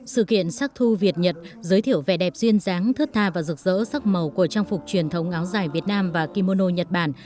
sự kiện sắc thu việt nhật giới thiệu vẻ đẹp duyên giáng thước tha và rực rỡ sắc màu của trang phục truyền thống áo dài việt nam và kimono nhật bản